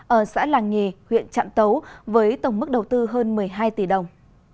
ở xã làng nghề huyện trạm tấu với tổng mức đầu tư hơn một mươi hai tỷ đồng